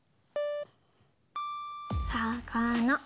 さかな。